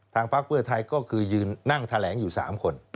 ทางพักเวชไทยก็อยู่นั่งถัดแหลงอยู่๓คน